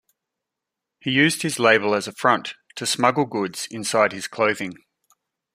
He used his label as a front to smuggle goods inside his clothing.